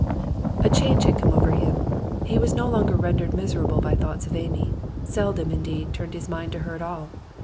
A change had come over him; he was no longer rendered miserable by thoughts of Amy seldom, indeed, turned his mind to her at all.